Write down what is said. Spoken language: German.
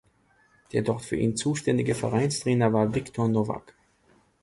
Der dort für ihn zuständige Vereinstrainer war Wiktor Nowak.